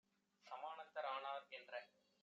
சமானத்தர் ஆனார் என்ற